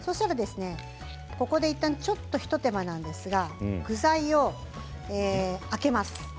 ここで、いったんちょっと一手間なんですが具材を上げます。